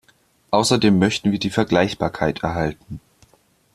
Außerdem möchten wir die Vergleichbarkeit erhalten.